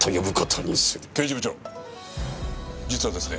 刑事部長実はですね。